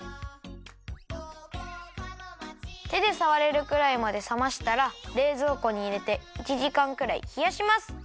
てでさわれるくらいまでさましたられいぞうこにいれて１じかんくらいひやします！